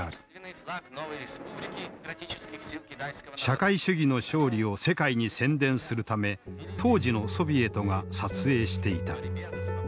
社会主義の勝利を世界に宣伝するため当時のソビエトが撮影していた。